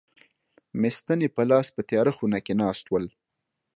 مې ستنې په لاس په تیاره خونه کې ناست ول.